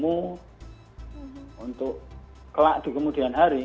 untuk kelak di kemudian hari